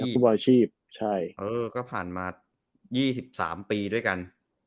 ใช่ฟุตบอลอาชีพใช่เออก็ผ่านมายี่สิบสามปีด้วยกัน